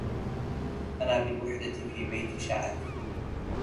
أنا بالوحدة في بيت شعث